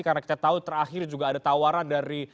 karena kita tahu terakhir juga ada tawaran dari